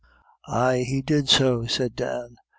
"Ay, he did so," said Dan.